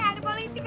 ada polisi kagak